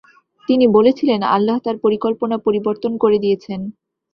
তিনি বলেছিলেন আল্লাহ তার পরিকল্পনা পরিবর্তন করে দিয়েছেন।